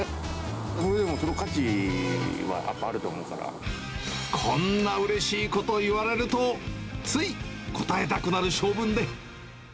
それでも、その価値はやっぱあるこんなうれしいこと言われると、つい応えたくなる性分で。